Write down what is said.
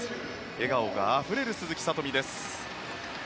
笑顔があふれる鈴木聡美です。